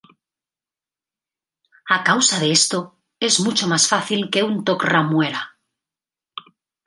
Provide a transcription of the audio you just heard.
A causa de esto, es mucho más fácil que un Tok'ra muera.